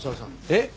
えっ？